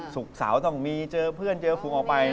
สุขสาวต้องมีเจอเพื่อนเจอฝูงออกไป